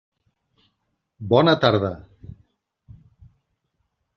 Bona tarda.